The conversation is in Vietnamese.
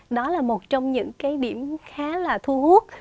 đó là một trong những cái điểm khá là thu hút